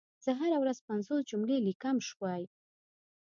زه هره ورځ پنځوس جملي ليکم شوي